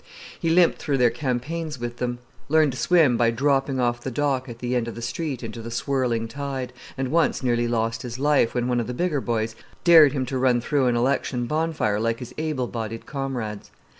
He limped through their campaigns with them, learned to swim by "dropping off the dock" at the end of the street into the swirling tide, and once nearly lost his life when one of the bigger boys dared him to run through an election bonfire like his able bodied comrades.